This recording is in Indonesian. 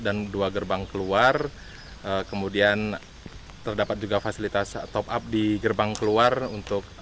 dan dua gerbang keluar kemudian terdapat juga fasilitas top up di gerbang keluar untuk